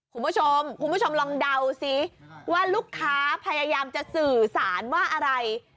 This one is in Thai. คุณผู้ชมคุณผู้ชมลองเดาซิว่าลูกค้าพยายามจะสื่อสารว่าอะไร